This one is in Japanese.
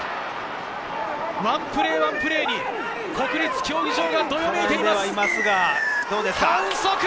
ワンプレーワンプレーに国立競技場がどよめいています。